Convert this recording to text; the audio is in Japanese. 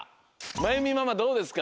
まゆみママどうですか？